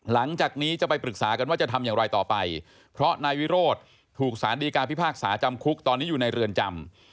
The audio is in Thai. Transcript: หลังจากนี้จะไปปรึกษากันว่าจะทำอย่างไรต่อไปเพราะนายวิโรธถูกสารดีการพิพากษาจำคุกตอนนี้อยู่ในเรือนจำ